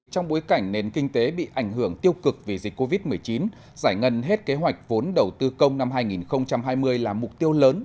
trong bối cảnh nền kinh tế bị ảnh hưởng tiêu cực vì dịch covid một mươi chín giải ngân hết kế hoạch vốn đầu tư công năm hai nghìn hai mươi là mục tiêu lớn